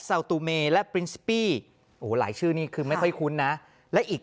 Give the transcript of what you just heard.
ซาวตูเมและปรินซิปี้โอ้โหหลายชื่อนี่คือไม่ค่อยคุ้นนะและอีก